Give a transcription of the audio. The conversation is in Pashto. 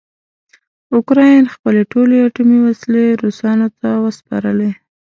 اوکراین خپلې ټولې اټومي وسلې روسانو ته وسپارلې.